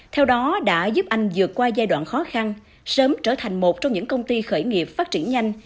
theo đó đã giúp anh vượt qua giai đoạn khó khăn sớm trở thành một trong những công ty khởi nghiệp phát triển nhanh